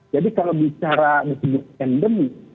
jadi kalau bicara menunjukkan pandemi